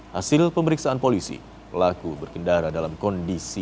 hasil pemeriksaan polisi pelaku berkendara dalam kondisi